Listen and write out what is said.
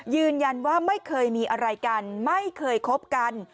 ยืนยันว่าไม่เคยมีอะไรกันไม่เคยคบกัน